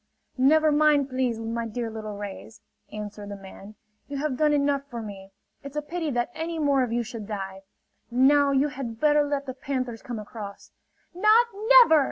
"Never mind, please, my dear little rays!" answered the man. "You have done enough for me! It's a pity that any more of you should die. Now you had better let the panthers come across." "Not never!"